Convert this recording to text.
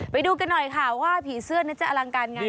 ไปดูกันหน่อยค่ะว่าผีเสื้อนั้นจะอลังการไง